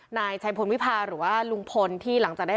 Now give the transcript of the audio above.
นายชัยพลวิพาหรือว่าลุงพลที่หลังจากได้